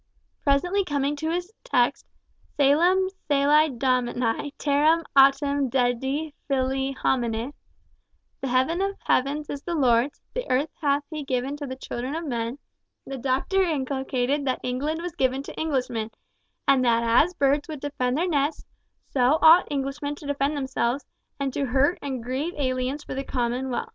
Presently coming to his text, "Cœlum cœli Domini, terram autem dedit filiis hominis" (the Heaven of Heavens is the Lord's, the earth hath He given to the children of men), the doctor inculcated that England was given to Englishmen, and that as birds would defend their nests, so ought Englishmen to defend themselves, and to hurt and grieve aliens for the common weal!